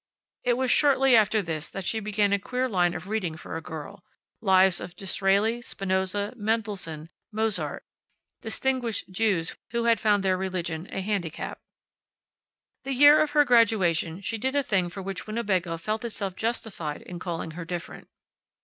It was shortly after this that she began a queer line of reading for a girl lives of Disraeli, Spinoza, Mendelssohn, Mozart distinguished Jews who had found their religion a handicap. The year of her graduation she did a thing for which Winnebago felt itself justified in calling her different.